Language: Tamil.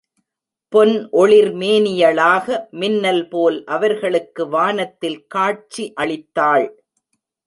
பொன் ஒளிர் மேனியளாக மின்னல் போல் அவர்களுக்கு வானத்தில் காட்சி அளித்தாள்.